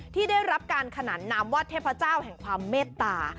ที่ได้รับการขนานนามว่าเทพเจ้าแห่งความเมตตา